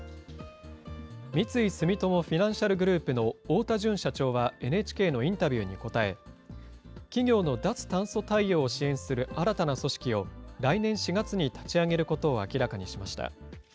三井住友フィナンシャルグループの太田純社長はＮＨＫのインタビューに答え、企業の脱炭素対応を支援する新たな組織を、来年４月に立ち上げることを明らかにしました。